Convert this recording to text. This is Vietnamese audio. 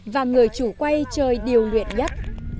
và người chủ quay chơi điều luyện nhất